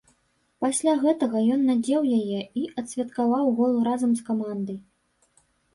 Пасля гэтага ён надзеў яе і адсвяткаваў гол разам з камандай.